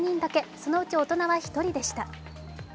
そのうち大人は１人でした。